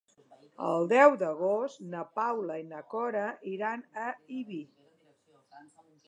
El deu d'agost na Paula i na Cora iran a Ibi.